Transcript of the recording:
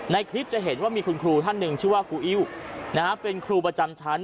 ในคลิปจะเห็นว่ามีคุณครูท่านหนึ่งชื่อว่าครูอิ้วเป็นครูประจำชั้น